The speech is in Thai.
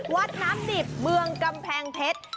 วัดน้ำดิบเมืองกำแพงเพชร